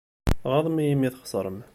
Tɣaḍem-iyi imi txeṣṛem.